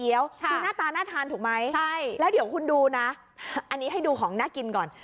คือหน้าตาน่าทานถูกไหมใช่แล้วเดี๋ยวคุณดูนะอันนี้ให้ดูของน่ากินก่อน